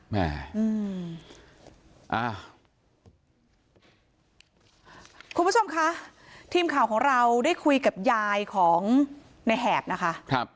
คุณผู้ชมค่ะทีมข่าวของเราได้คุยกับยายของในแหบนะคะ